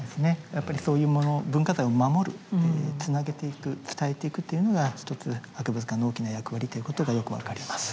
やっぱりそういうもの文化財を守るつなげていく伝えていくというのが一つ博物館の大きな役割ということがよく分かります。